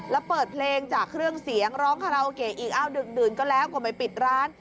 แล้วเปิดเพลงจากเครื่องเสียงร้องคาราโอเกะอีกอ้าวดึกดื่นก็แล้วก็ไม่ปิดร้าน